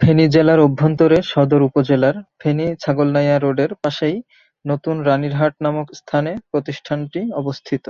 ফেনী জেলার অভ্যন্তরে সদর উপজেলার ফেনী-ছাগলনাইয়া রোডের পাশেই নতুন রানীর হাট নামক স্থানে প্রতিষ্ঠানটি অবস্থিত।